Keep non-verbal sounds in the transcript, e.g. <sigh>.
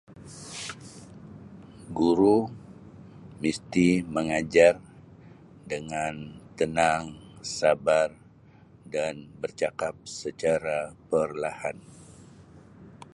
<noise> Guru misti mengajar dengan tenang, sabar dan bercakap secara perlahan. <noise>